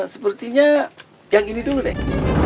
sepertinya yang ini dulu deh